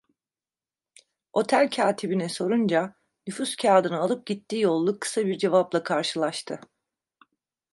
Otel katibine sorunca, "Nüfus kağıdını alıp gitti" yollu kısa bir cevapla karşılaştı.